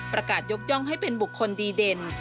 ยกย่องให้เป็นบุคคลดีเด่น